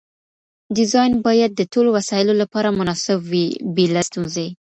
ډیزاین باید د ټولو وسایلو لپاره مناسب وي بې له ستونزې.